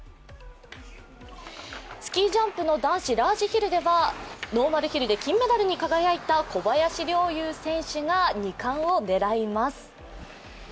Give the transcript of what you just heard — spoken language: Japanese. スキージャンプの男子ラージヒルではノーマルヒルで金メダルに輝いた小林陵侑選手が２冠を狙います。